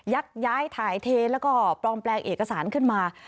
ักย้ายถ่ายเทแล้วก็ปลอมแปลงเอกสารขึ้นมา